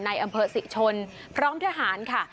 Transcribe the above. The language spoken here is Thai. ในอำเภอศรีชนพร้อมทหารค่ะ